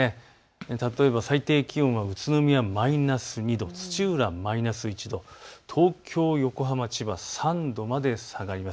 例えば最低気温は宇都宮マイナス２度、土浦マイナス１度、東京、横浜、千葉３度まで下がります。